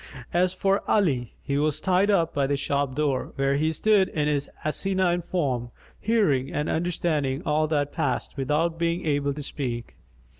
As for Ali, he was tied up by the shop door, where he stood in his asinine form hearing and understanding all that passed, without being able to speak.